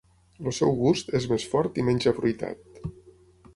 El seu gust és més fort i menys afruitat.